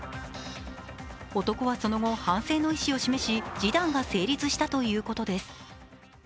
男はその後、反省の意思を示し示談が成立したということです。